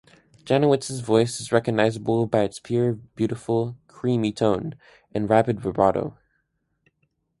Janowitz's voice is recognizable by its pure, beautiful, "creamy" tone, and rapid vibrato.